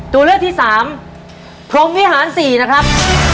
ตัวเลือกที่สามพรมวิหาร๔นะครับ